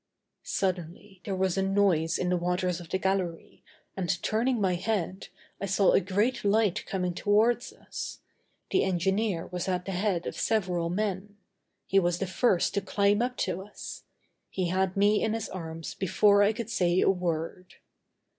Suddenly, there was a noise in the waters of the gallery and, turning my head, I saw a great light coming towards us. The engineer was at the head of several men. He was the first to climb up to us. He had me in his arms before I could say a word.